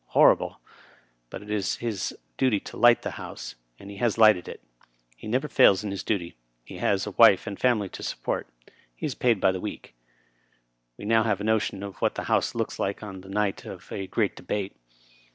Horrible 1 But it is his duty to light the House, and he has lighted it. He never f aik in his duty. He has a wife and family to support. He is paid by the week. Now we have a notion what the House looks like on the night of a great debate.